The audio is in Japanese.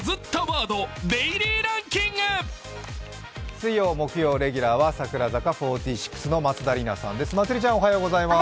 水曜・木曜レギュラーは櫻坂４６の松田里奈さんです。